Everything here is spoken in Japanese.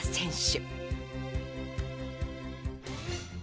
選手。